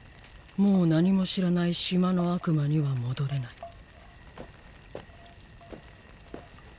もう何も知らない島の悪魔には戻れない。